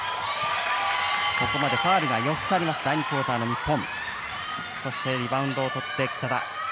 ここまでファウルが４つある第２クオーターの日本。